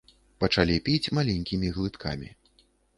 Пачалі піць маленькімі глыткамі.